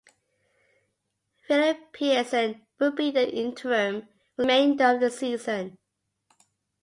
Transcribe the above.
Philip Pearson would be the interim for the remainder of the season.